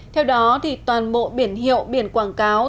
theo đó toàn bộ biển hiệu biển quảng cáo